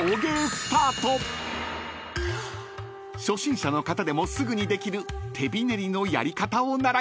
［初心者の方でもすぐにできる手びねりのやり方を習いました］